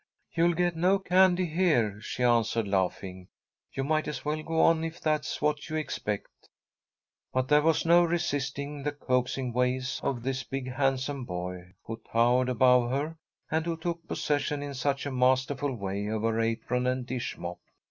"You'll get no candy here," she answered, laughing. "You might as well go on if that's what you expect." But there was no resisting the coaxing ways of this big handsome boy, who towered above her, and who took possession in such a masterful way of her apron and dish mop.